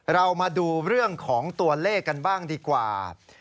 เรามาดูเรื่องของตัวเลขกันบ้างดีกว่า